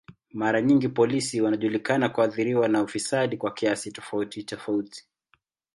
Mara nyingi polisi wanajulikana kuathiriwa na ufisadi kwa kiasi tofauti tofauti.